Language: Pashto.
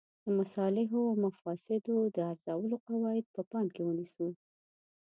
د مصالحو او مفاسدو د ارزولو قواعد په پام کې ونیسو.